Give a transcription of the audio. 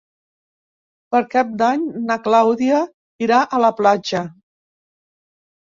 Per Cap d'Any na Clàudia irà a la platja.